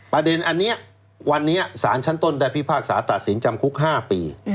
ประเด็นอันนี้วันนี้สารชั้นต้นได้พิพากษาตัดสินจำคุก๕ปี